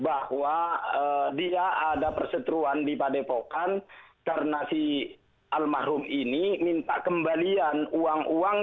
bahwa dia ada perseteruan di padepokan karena si almarhum ini minta kembalian uang uang